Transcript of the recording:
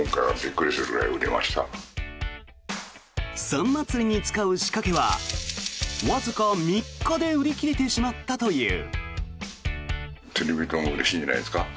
サンマ釣りに使う仕掛けはわずか３日で売り切れてしまったという。